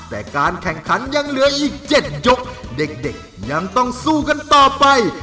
แต่การแข่งขันยังเหลืออีก๗ยกเด็กยังต้องสู้กันต่อไป